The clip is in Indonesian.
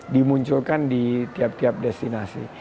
dimunculkan di tiap tiap destinasi